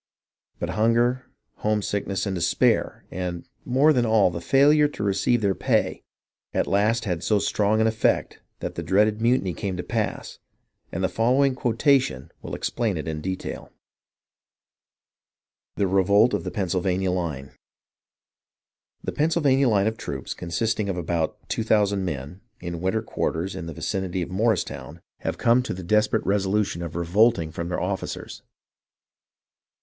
But hunger, homesickness, despair, and, more than all, the failure to receive their pay at last had so strong an effect that the dreaded mutiny came to pass, and the fol lowing quotation will explain it in detail :— THE REVOLT OF THE PENNSYLVANIA LINE The Pennsylvania line of troops, consisting of about two thousand men, in winter quarters in the vicinity of Morristown, have come to the desperate resolution of 308 HISTORY OF THE AMERICAN REVOLUTION revolting from their officers.